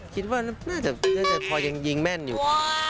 คิดว่าน่าจะพอยังยิงแม่นอยู่